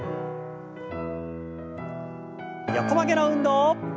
横曲げの運動。